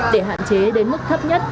để hạn chế đến mức thấp nhất